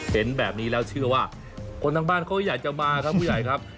เห็นแบบนี้แล้วเชื่อว่าคนทางบ้านเขาอยากจะมาครับผู้ใหญ่ครับ